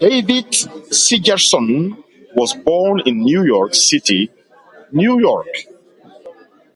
Davitt Sigerson was born in New York City, New York.